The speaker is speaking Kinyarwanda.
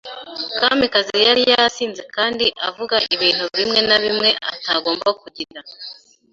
Kamikazi yari yasinze kandi avuga ibintu bimwe na bimwe atagomba kugira.